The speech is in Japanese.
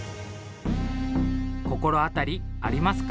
心当たりありますか？